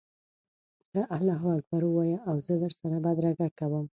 ته الله اکبر ووایه او زه در سره بدرګه کوم.